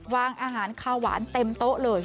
อาหารข้าวหวานเต็มโต๊ะเลย